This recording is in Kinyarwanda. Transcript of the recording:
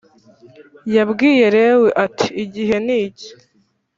Yabwiye Lewi ati igihe niki